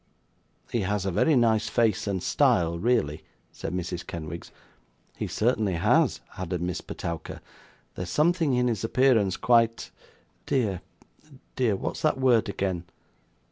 'He has a very nice face and style, really,' said Mrs. Kenwigs. 'He certainly has,' added Miss Petowker. 'There's something in his appearance quite dear, dear, what's that word again?